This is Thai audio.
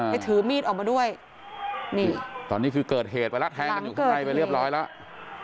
ถือมีดออกมาด้วยนี่ตอนนี้คือเกิดเหตุไปแล้วแทงกันอยู่ข้างในไปเรียบร้อยแล้ว